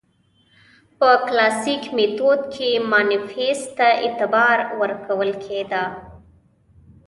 په کلاسیک میتود کې مانیفیست ته اعتبار ورکول کېده.